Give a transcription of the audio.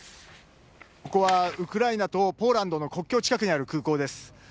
ここはウクライナとポーランドの国境近くにある空港です。